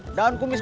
ialah ganska susah